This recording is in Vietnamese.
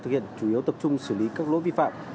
thực hiện chủ yếu tập trung xử lý các lỗi vi phạm